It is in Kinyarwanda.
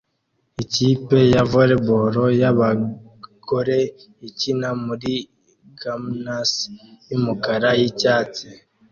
Ikipe ya volley ball y'abagore ikina muri gymnasi yumukara nicyatsi